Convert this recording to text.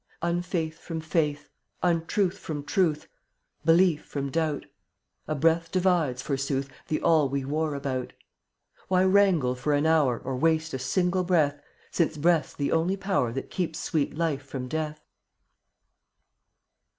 46 Unfaith from faith, untruth From truth, belief from doubt — A breath divides, forsooth, The all we war about. Why wrangle for an hour Or waste a single breath, Since breath's the only power That keeps sweet life from death?